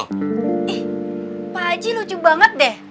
eh pak haji lucu banget deh